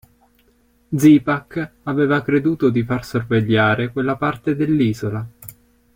Zipak aveva creduto di far sorvegliare quella parte dell'isola.